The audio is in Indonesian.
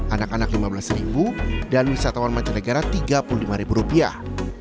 anak anak lima belas dan wisatawan manceng negara tiga puluh lima rupiah